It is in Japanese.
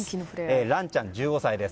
ランちゃん、１５歳です。